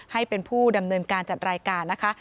ให้เป็นผู้ดำเนินการจัดรายการนะคะ